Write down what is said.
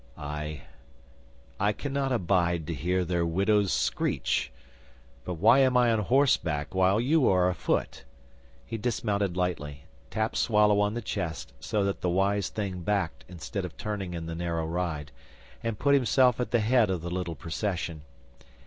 'I I cannot abide to hear their widows screech. But why am I on horseback while you are afoot?' He dismounted lightly, tapped Swallow on the chest, so that the wise thing backed instead of turning in the narrow ride, and put himself at the head of the little procession.